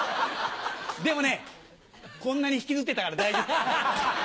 でもね、こんなに引きずってたから大丈夫。